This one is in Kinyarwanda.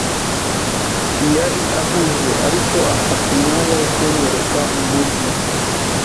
Yari ahuze, ariko afata umwanya wo kunyereka umujyi.